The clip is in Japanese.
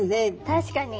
確かに。